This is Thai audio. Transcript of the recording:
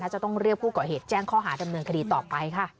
จะต้องเรียกผู้ก่อเหตุแจ้งข้อหาดำเนินคดีต่อไปค่ะ